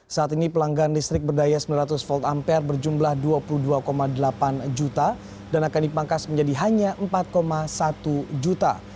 saat ini pelanggan listrik berdaya sembilan ratus volt ampere berjumlah dua puluh dua delapan juta dan akan dipangkas menjadi hanya empat satu juta